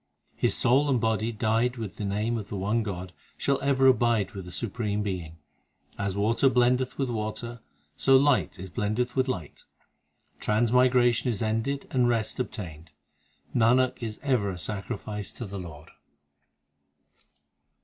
His soul and body dyed with the name of the one God Shall ever abide with the Supreme Being. As water blendeth with water, So light is blended with light. Transmigration is ended and rest obtained Nanak is ever a sacrifice to the Lord.